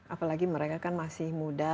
apalagi mereka kan masih muda